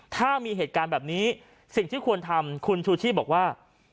ถ้ามีเหตุการณ์แบบนี้สิ่งที่ควรทำคุณชูชีพบอกว่า